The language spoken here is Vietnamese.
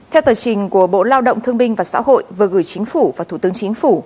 theo tờ trình của bộ lao động thương binh và xã hội vừa gửi chính phủ và thủ tướng chính phủ